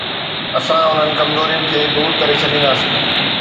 اسان انهن ڪمزورين کي دور ڪري ڇڏينداسين.